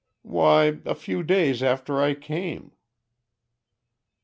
"Why, a few days after I came."